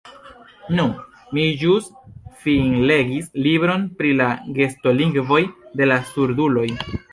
Nu, mi ĵus finlegis libron pri la gestolingvoj de la surduloj.